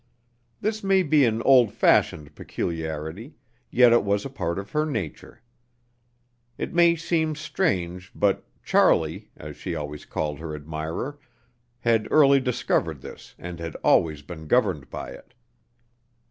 This may be an old fashioned peculiarity, yet it was a part of her nature. It may seem strange, but "Charlie," as she always called her admirer, had early discovered this and had always been governed by it.